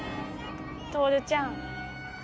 透ちゃん。